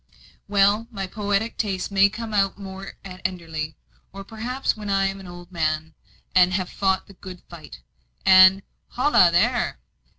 Well, my poetic tastes may come out more at Enderley. Or perhaps when I am an old man, and have fought the good fight, and holloa, there!